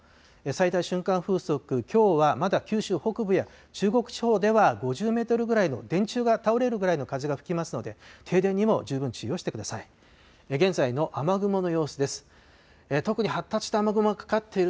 最大瞬間風速、きょうはまだ九州北部や中国地方では５０メートルぐらいの、電柱が倒れるぐらいの風が吹きますので、停電にも十分注意をしてください。